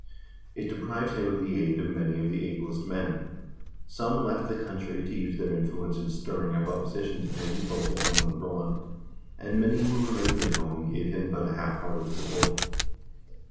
It deprived him of the aid of many of the ablest men. Some left the country to use their influence in stirring up opposition to him both at home and abroad, and many who remained at home gave him but a half hearted support.